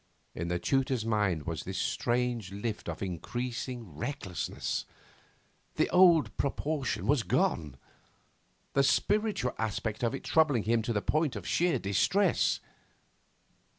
In the tutor's mind was this strange lift of increasing recklessness, the old proportion gone, the spiritual aspect of it troubling him to the point of sheer distress.